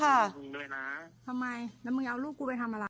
ทำไมแล้วมึงเอาลูกคูไปทำอะไร